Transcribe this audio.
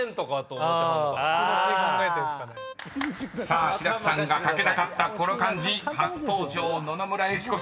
［さあ志らくさんが書けなかったこの漢字初登場野々村友紀子さん